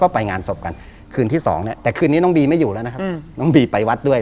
ค้นนี้น้องบีไม่อยู่แล้วนะครับ